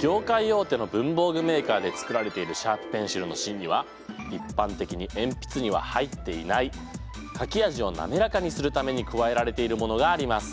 業界大手の文房具メーカーで作られているシャープペンシルの芯には一般的に鉛筆には入っていない書き味をなめらかにするために加えられているものがあります。